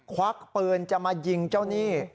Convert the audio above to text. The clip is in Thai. ควักปืนจะมายิงเจ้าหนี้